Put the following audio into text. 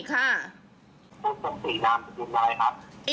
ต้องส่งสีน้ำไปดูด้วยครับ